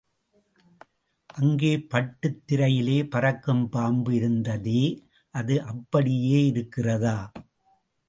அங்கே பட்டுத் திரையிலே பறக்கும் பாம்பு இருந்ததே அது அப்படியே இருக்கிறதா?